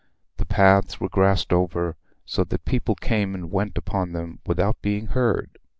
The paths were grassed over, so that people came and went upon them without being heard.